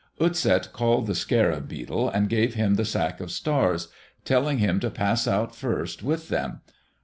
Utset called the scarab beetle and gave him the sack of stars, telling him to pass out first with them.